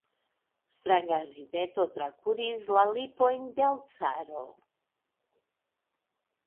Stranga rideto trakuris la lipojn de l' caro.